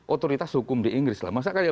otoritas hukum di inggris lah masa kalian